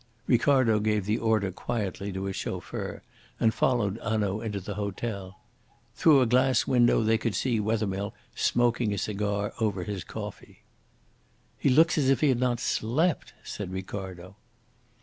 Ricardo gave the order quietly to his chauffeur, and followed Hanaud into the hotel. Through a glass window they could see Wethermill smoking a cigar over his coffee. "He looks as if he had not slept," said Ricardo.